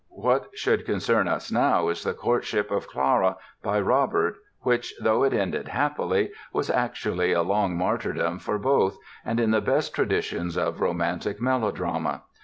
What should concern us now is the courtship of Clara by Robert which, though it ended happily, was actually a long martyrdom for both and in the best traditions of romantic melodrama.